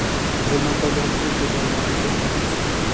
د هلمند په ګرمسیر کې د مرمرو نښې شته.